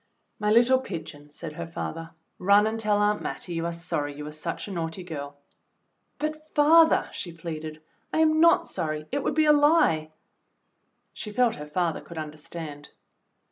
"My httle pigeon," said her father. "Run and tell Aunt Mattie you are sorry you were such a naughty girl." "But, father," she pleaded, "I am not sorry; it would be a lie." She felt her father could understand.